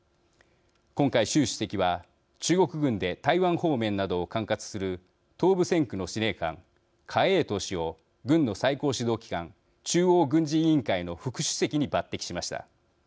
今回、習主席は中国軍で台湾方面などを管轄する東部戦区の司令官・何衛東氏を軍の最高指導機関中央軍事委員会の副主席に抜てきしました。